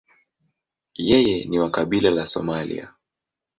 Yeye ni wa kabila la Somalia.